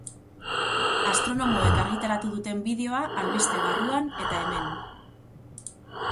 Astronomoek argitaratu duten bideoa, albiste barruan, eta hemen.